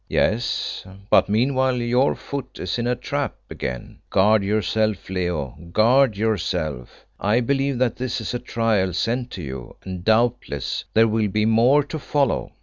"Yes, but meanwhile your foot is in a trap again. Guard yourself, Leo, guard yourself. I believe that this is a trial sent to you, and doubtless there will be more to follow.